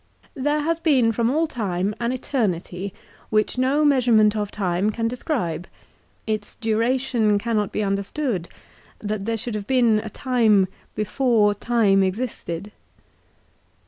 " There has been from all time an eternity which no measure ment of time can describe. Its duration cannot be understood, that there should have been a time before time existed.